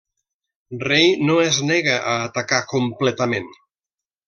Rei no es nega a atacar completament.